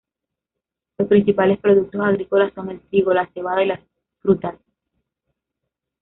Los principales productos agrícolas son el trigo, la cebada y las frutas.